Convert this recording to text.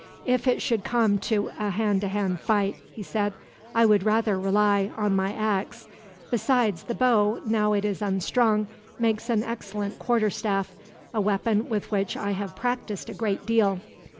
"If it should come to a hand to hand fight," he said, "I would rather rely on my ax. Besides, the bow, now it is unstrung, makes an excellent quarterstaff, a weapon with which I have practiced a great deal.